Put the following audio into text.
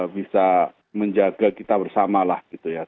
bisa menjaga kita bersamalah